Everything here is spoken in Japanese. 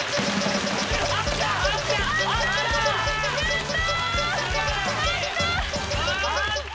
やった！